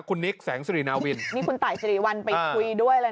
คุณนิกแสงสุรินาวินนี่คุณตายสิริวัลไปคุยด้วยเลย